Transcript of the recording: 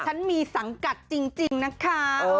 ฉันมีสังกัดจริงนะคะ